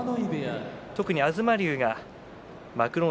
特に東龍が幕内